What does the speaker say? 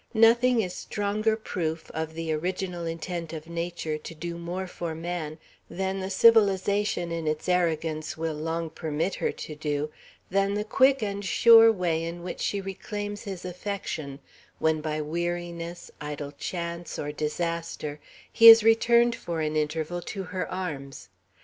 Nothing is stronger proof of the original intent of Nature to do more for man than the civilization in its arrogance will long permit her to do, than the quick and sure way in which she reclaims his affection, when by weariness, idle chance, or disaster, he is returned, for an interval, to her arms.